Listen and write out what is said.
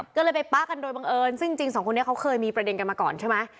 ก็เลยไปป๊ากันโดยบังเอิญซึ่งจริงสองคนนี้เขาเคยมีประเด็นกันมาก่อนใช่ไหม